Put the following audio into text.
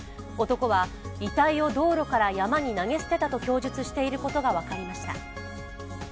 男は遺体を道路から山に投げ捨てたと供述していることが分かりました。